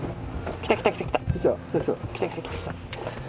来た来た来た来た。